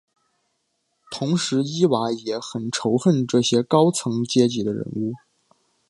同时伊娃也很仇恨这些高层阶级的人物。